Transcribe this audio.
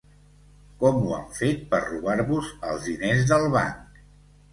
Com ho han fet per robar-vos els diners del banc?